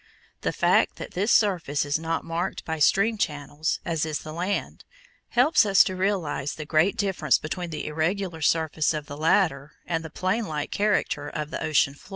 The fact that this surface is not marked by stream channels, as is the land, helps us to realize the great difference between the irregular surface of the latter and the plain like character of the ocean floor.